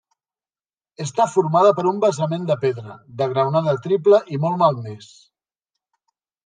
Està formada per un basament de pedra, de graonada triple i molt malmès.